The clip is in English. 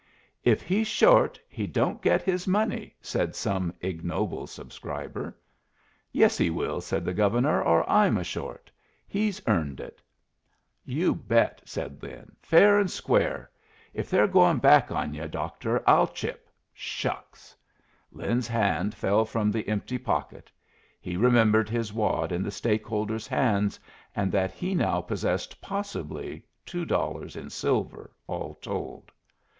"If he's short he don't get his money," said some ignoble subscriber "Yes, he will," said the Governor, "or I'm a short. He's earned it." "You bet "' said Lin. "Fair and square. If they're goin' back on yu', doctor, I'll chip Shucks!" Lin's hand fell from the empty pocket; he remembered his wad in the stake holder's hands, and that he now possessed possibly two dollars in silver, all told.